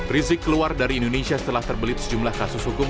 rizik keluar dari indonesia setelah terbelit sejumlah kasus hukum